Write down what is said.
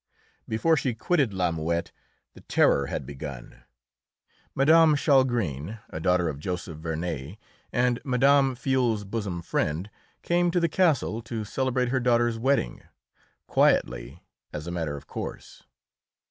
Before she quitted La Muette the Terror had begun. Mme. Chalgrin, a daughter of Joseph Vernet, and Mme. Filleul's bosom friend, came to the castle to celebrate her daughter's wedding quietly, as a matter of course.